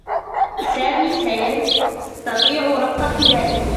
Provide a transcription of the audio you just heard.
سامي سيتطيع ربط حذائه.